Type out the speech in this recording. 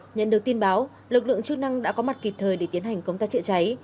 nhận được tin báo lực lượng chức năng đã có mặt kịp thời để tiến hành công tác chữa cháy